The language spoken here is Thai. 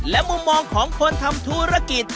และมุมมองของคนทำธุรกิจ